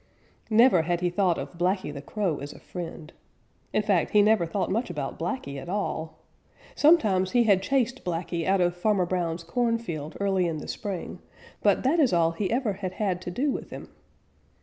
Never had he thought of Blacky the Crow as a friend. In fact, he never thought much about Blacky at all. Sometimes he had chased Blacky out of Farmer Brown's corn field early in the spring but that is all he ever had had to do with him.